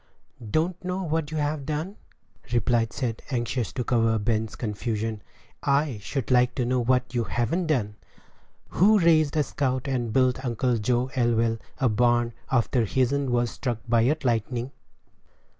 "Don't know what you've done?" replied Seth, anxious to cover Ben's confusion; "I should like to know what you haven't done. Who raised a scout, and built Uncle Joe Elwell a barn, after his'n was struck by lightning?"